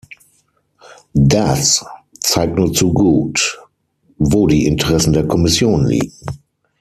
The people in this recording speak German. Das zeigt nur zu gut, wo die Interessen der Kommission liegen.